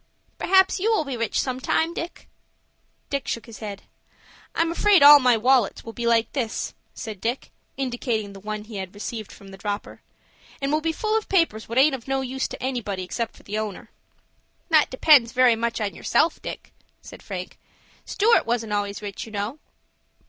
"Perhaps you will be rich sometime, Dick." Dick shook his head. "I'm afraid all my wallets will be like this," said Dick, indicating the one he had received from the dropper, "and will be full of papers what aint of no use to anybody except the owner." "That depends very much on yourself, Dick," said Frank. "Stewart wasn't always rich, you know."